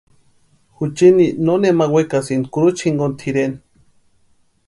Juchini no nema wekasïnti kurucha jinkoni tʼireni.